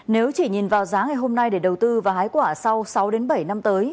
nếu chỉ nhìn vào giá ngày hôm nay để đầu tư và hái quả sau sáu bảy năm tới